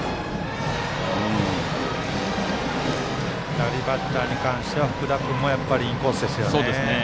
左バッターに関しては福田君もやっぱりインコースですよね。